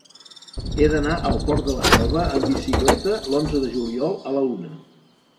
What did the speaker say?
He d'anar al Port de la Selva amb bicicleta l'onze de juliol a la una.